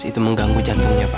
itu mengganggu jantungnya pak